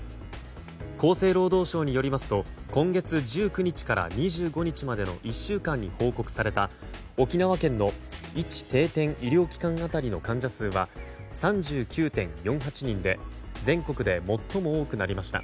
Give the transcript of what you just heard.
厚生労働省によりますと今月１９日から２５日までの１週間に報告された沖縄県の１定点医療機関当たりの患者数は３９．４８人で全国で最も多くなりました。